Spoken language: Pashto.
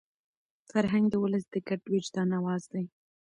فرهنګ د ولس د ګډ وجدان اواز دی.